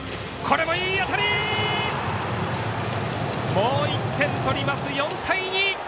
もう１点取ります、４対２！